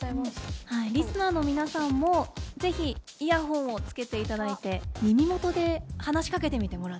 リスナーの皆さんも是非イヤホンをつけていただいて耳元で話しかけてみてもらっていいですか？